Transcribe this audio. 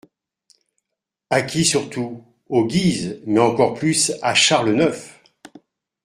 À qui surtout ? aux Guises, mais encore plus à Charles IX.